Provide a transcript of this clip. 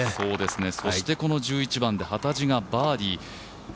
そしてこの１１番で幡地がバーディー。